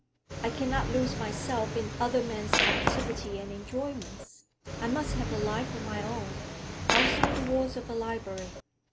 I cannot lose myself in other men's activity and enjoyments. I must have a life of my own, outside the walls of a library.